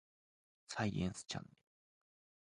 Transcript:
サイエンスチャンネル